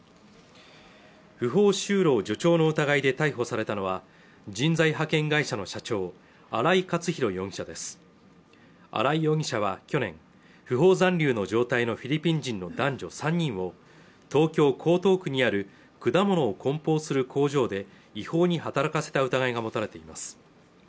不法就労助長の疑いで逮捕されたのは人材派遣会社の社長荒井克弘容疑者です荒井容疑者は去年不法残留の状態のフィリピン人の男女３人を東京・江東区にある果物を梱包する工場で違法に働かせた疑いが持たれています